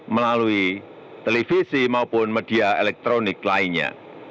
melalui televisi maupun media elektronik lainnya